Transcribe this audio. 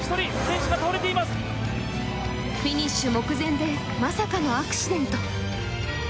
フィニッシュ目前でまさかのアクシデント。